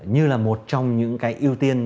như là một trong những ưu tiên